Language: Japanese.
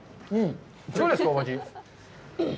どうですか、お味。